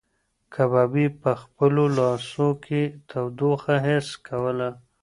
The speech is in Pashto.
کبابي په خپلو لاسو کې تودوخه حس کوله.